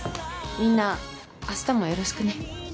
みんな明日もよろしくね。